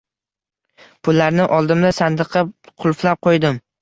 Pullarni oldimda sandiqqa qulflab qo‘ydim.